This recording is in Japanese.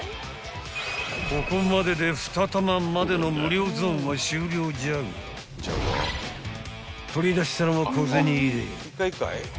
［ここまでで２玉までの無料ゾーンは終了じゃが取り出したのは小銭入れ］